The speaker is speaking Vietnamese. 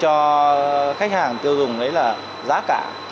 cho khách hàng tiêu dùng đấy là giá cao